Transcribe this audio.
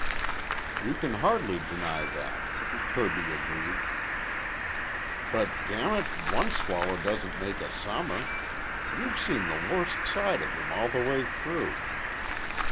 "You can hardly deny that," Kirby agreed. "But, damn it, one swallow doesn't make a summer. You've seen the worst side of him all the way through."